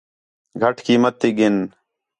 گھٹ قیمت تی ڳِن